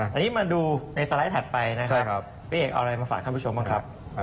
ตรงนี้มาดูในสไลด์ถัดไปพี่เอกเอาอะไรมาฝากคุณผู้ชมมั้งครับ